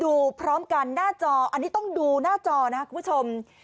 ดูพร้อมกันหน้าจออันนี้ต้องดูหน้าจอนะครับคุณผู้ชม